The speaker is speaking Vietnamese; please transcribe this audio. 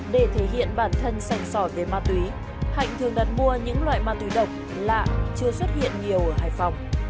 để thể hiện bản thân sành sỏi với ma túy hạnh thương đặt mua những loại ma túy độc lạ chưa xuất hiện nhiều ở hải phòng